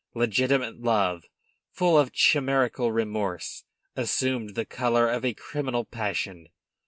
Legitimate love, full of chimerical remorse, assumed the color of a criminal passion.